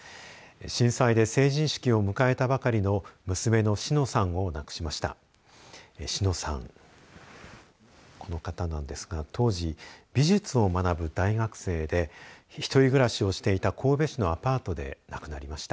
震災で成人式を迎えたばかりの娘の志乃さんを亡くしました。